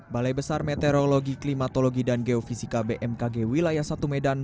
balai besar meteorologi klimatologi dan geofisika bmkg wilayah satu medan